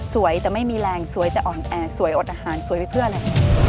สวยแต่ไม่มีแรงสวยแต่อ่อนแอสวยอดอาหารสวยไปเพื่ออะไร